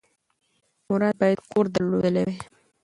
مراد باید کور درلودلی وای.